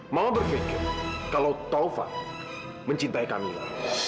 mama berpikir kalau tava mencintai kamila